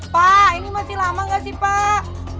pak ini masih lama nggak sih pak